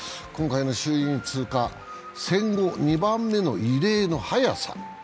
今回の衆議院通過は、戦後２番目の異例の速さ。